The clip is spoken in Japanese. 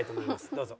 どうぞ。